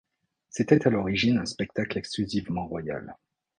C'était à l'origine un spectacle exclusivement royal.